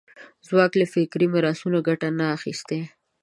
څوک له فکري میراثونو ګټه نه اخیستی